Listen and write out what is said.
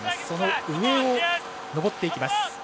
その上を上っていきます。